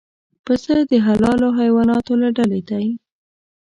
پسه د حلالو حیواناتو له ډلې دی.